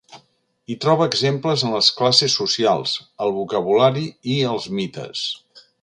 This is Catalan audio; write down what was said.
Hi troba exemples en les classes socials, el vocabulari i els mites.